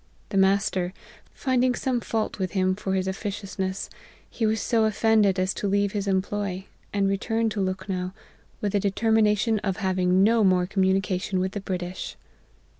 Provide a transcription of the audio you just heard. The master finding some fault with him for his of ficiousness, he was so offended as to leave his employ, and return to Lukhnow, with a deter mination of having no more communication with 201 202 APPENDIX. the British.